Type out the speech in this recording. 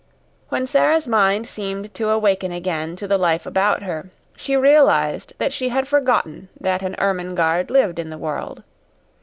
When Sara's mind seemed to awaken again to the life about her, she realized that she had forgotten that an Ermengarde lived in the world.